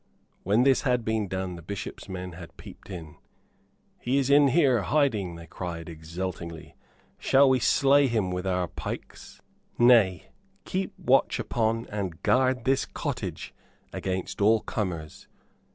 When this had been done the Bishop's men had peeped in. "He is here, hiding," they cried, exultingly. "Shall we slay him with our pikes?" "Nay, keep watch upon and guard this cottage against all comers.